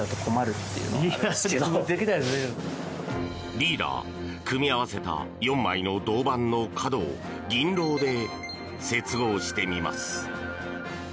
リーダー組み合わせた４枚の銅板の角を銀ロウで接合してみます。